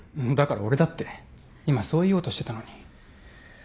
だから俺だって今そう言おうとしてたのに。